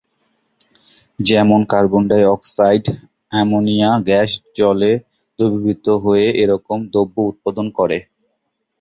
যেমন- carbon dioxide, ammonia gas জলে দ্রবীভূত হয়ে এইরকম দ্রবণ উৎপন্ন করে।